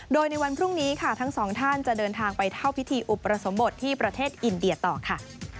โดยในวันพรุ่งนี้ค่ะทั้งสองท่านจะเดินทางไปเข้าพิธีอุปสมบทที่ประเทศอินเดียต่อค่ะ